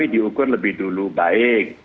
diukur lebih dulu baik